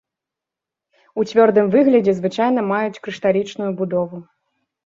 У цвёрдым выглядзе звычайна маюць крышталічную будову.